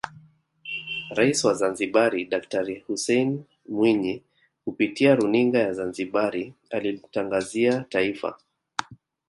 Rais wa Zanzibari Daktari Hussein Mwinyi kupitia runinga ya Zanzibari alilitangazia Taifa